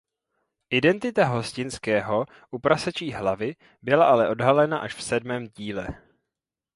Identita hostinského u Prasečí hlavy byla ale odhalena až v sedmém díle.